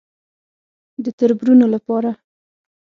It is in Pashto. _د تربرونو له پاره.